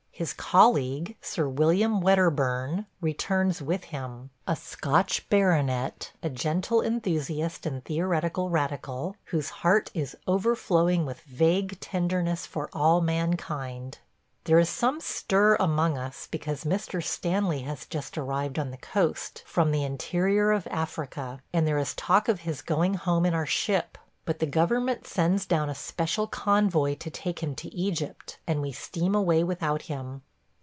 His colleague, Sir William Wedderburn, returns with him – a Scotch baronet, a gentle enthusiast and theoretical radical, whose heart is overflowing with vague tenderness for all mankind. There is some stir among us because Mr. Stanley has just arrived on the coast from the interior of Africa, and there is talk of his going home in our ship; but the government sends down a special convoy to take him to Egypt, and we steam away without him.